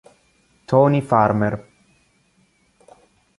Tony Farmer